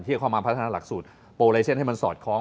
จะเข้ามาพัฒนาหลักสูตรโปรไลเซ็นต์ให้มันสอดคล้อง